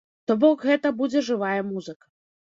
То бок гэта будзе жывая музыка.